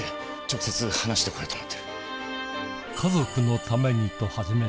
直接話して来ようと思ってる。